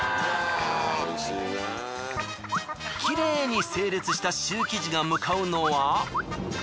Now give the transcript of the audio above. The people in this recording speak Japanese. きれいに整列したシュー生地が向かうのは。